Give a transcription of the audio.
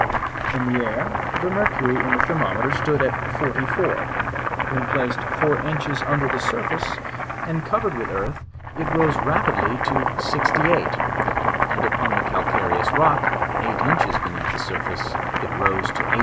In the air the mercury in the Thermometer stood at 44; when placed fouj inches under Ike surface, and covered with. SOS JOURNAL OP earth, it rose rapidly to 68; and upon the calcareous rock, eight inches beneath the surface, it rose to 80.